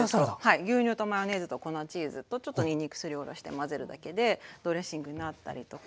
牛乳とマヨネーズと粉チーズとちょっとにんにくすりおろして混ぜるだけでドレッシングになったりとか。